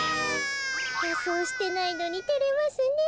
かそうしてないのにてれますねえ。